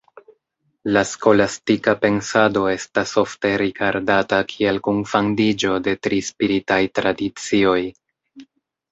La skolastika pensado estas ofte rigardata kiel kunfandiĝo de tri spiritaj tradicioj.